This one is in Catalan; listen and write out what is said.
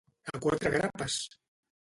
A quatre grapes!